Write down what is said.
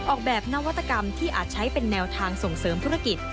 ออกแบบนวัตกรรมที่อาจใช้เป็นแนวทางส่งเสริมธุรกิจ